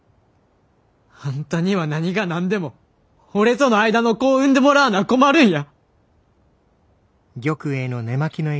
あんたには何が何でも俺との間の子を産んでもらわな困るんや！